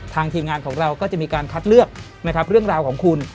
ทีมงานของเราก็จะมีการคัดเลือกนะครับเรื่องราวของคุณ